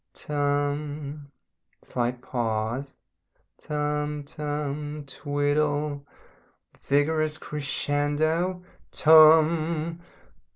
tum. Slight pause. Tum tum twiddle vigorous crescendo TUM.